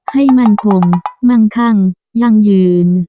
ให้มั่นคงมั่งคั่งยั่งยืน